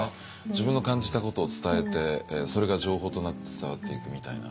自分の感じたことを伝えてそれが情報となって伝わっていくみたいな。